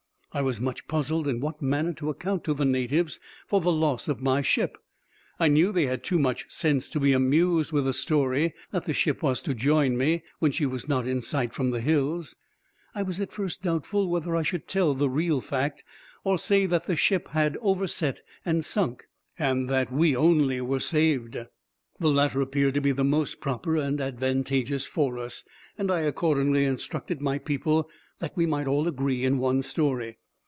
I was much puzzled in what manner to account to the natives for the loss of my ship: I knew they had too much sense to be amused with a story that the ship was to join me, when she was not in sight from the hills. I was at first doubtful whether I should tell the real fact, or say that the ship had overset and sunk, and that we only were saved: the latter appeared to be the most proper and advantageous for us, and I accordingly instructed my people, that we might all agree in one story.